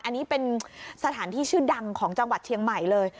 อันนี้เป็นสถานที่ชื่อดังของจังหวัดเชียงใหม่เลย